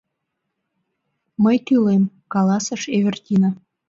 — Мый тӱлем, — каласыш Эвердина.